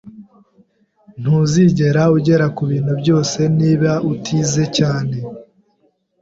Ntuzigera ugera kubintu byose niba utize cyane.